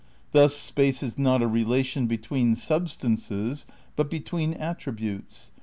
Thus space is not a relation between sub stances but between attributes.